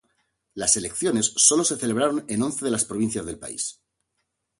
Las elecciones solo se celebraron en once de las provincias del país.